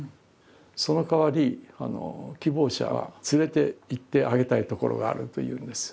そのかわり希望者は連れて行ってあげたい所がある」と言うんです。